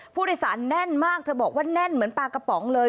แน่นมากเธอบอกว่าแน่นเหมือนปลากระป๋องเลย